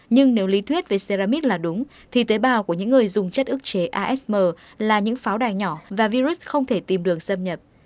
nhưng nếu lý thuyết về xeramit là đúng thì tế bào của những người dùng chất ước chế asm là những pháo đài nhỏ và virus không thể tìm đường xâm nhập